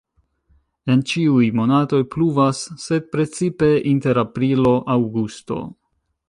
En ĉiuj monatoj pluvas, sed precipe inter aprilo-aŭgusto.